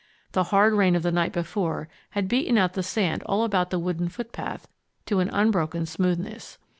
The hard rain of the night before had beaten out the sand all about the wooden foot path to an unbroken smoothness.